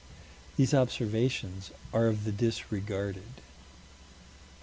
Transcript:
These observations are of the disregarded.